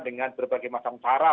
dengan berbagai macam cara